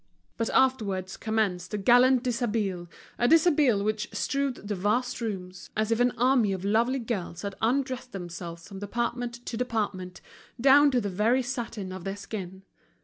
But afterwards commenced the gallant dishabille, a dishabille which strewed the vast rooms, as if an army of lovely girls had undressed themselves from department to department, down to the very satin of their skin.